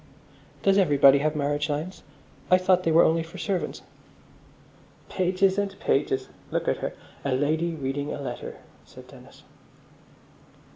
"Does everybody have marriage lines? I thought they were only for servants." "Pages and pages! Look at her! A Lady reading a Letter," said Dennis.